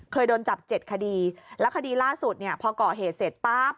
เคยโดนจับเจ็ดคดีแล้วคดีล่าสุดเนี่ยพอก่อเหตุเสร็จปั๊บ